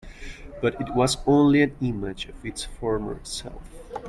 But it was only an image of its former self.